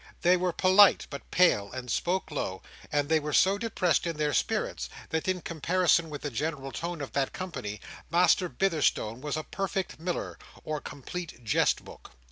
They were polite, but pale; and spoke low; and they were so depressed in their spirits, that in comparison with the general tone of that company, Master Bitherstone was a perfect Miller, or complete Jest Book."